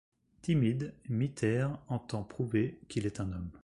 Timide, Miter entend prouver qu'il est un homme.